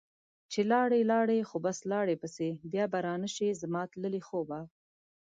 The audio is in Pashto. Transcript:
چې لاړي لاړي خو بس لاړي پسي ، بیا به رانشي زما تللي خوبه